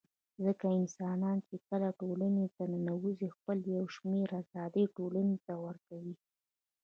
ځکه انسانان چي کله ټولني ته ننوزي خپل يو شمېر آزادۍ ټولني ته ورکوي